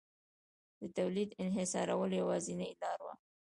د تولید انحصارول یوازینۍ لار وه